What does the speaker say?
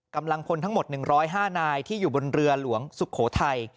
กำลังพลทั้งหมด๑๐๕นายที่อยู่บนเรือหลวงสุโขทัย